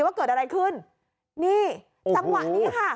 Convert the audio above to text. ไปนะ